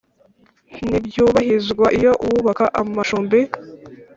Ntibyubahirizwa iyo uwubaka amacumbi